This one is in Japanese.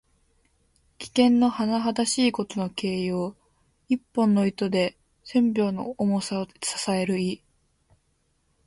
危険のはなはだしいことの形容。一本の糸で千鈞の重さを支える意。